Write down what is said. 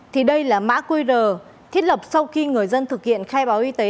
thì đây là mã qr thiết lập sau khi người dân thực hiện khai báo y tế